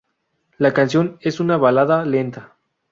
La canción es una balada lenta.